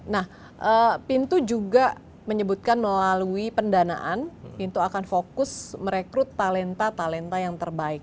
nah pintu juga menyebutkan melalui pendanaan pintu akan fokus merekrut talenta talenta yang terbaik